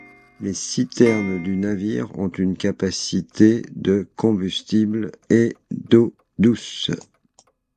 Les citernes du navire ont une capacité de de combustible et de d'eau douce.